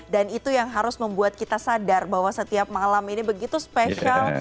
dan itu yang harus membuat kita sadar bahwa setiap malam ini begitu spesial